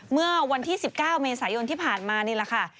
เมื่อวันที่๑๙เมษายนที่ผ่านมานี่แหละค่ะ